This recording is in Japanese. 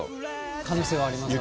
可能性はありますからね。